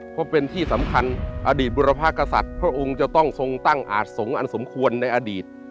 เพราะเป็นที่สำคัญอดีตบุรพากษัตริย์พระองค์จะต้องทรงตั้งอาจสงฆ์อันสมควรในอดีต